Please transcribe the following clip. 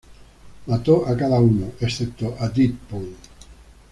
Mató a cada uno, excepto a Deadpool.